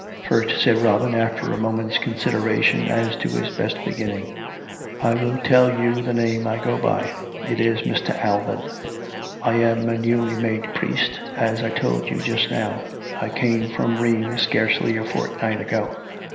" First," said Robin, after a moment's consideration as to his best beginning, " I will tell you the name I go by. It is Mr. Alban. I am a newly made priest, as I told you just now; I came from Rheims scarcely a fortnight ago.